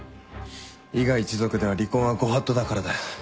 伊賀一族では離婚はご法度だからだ。